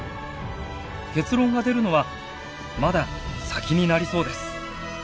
結論が出るのはまだ先になりそうです。